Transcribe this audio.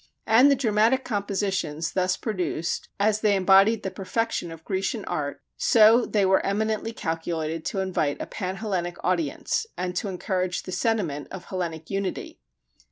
And the dramatic compositions thus produced, as they embodied the perfection of Grecian art, so they were eminently calculated to invite a pan Hellenic audience and to encourage the sentiment of Hellenic unity.